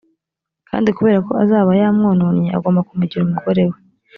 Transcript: kandi kubera ko azaba yamwononnye, agomba kumugira umugore we,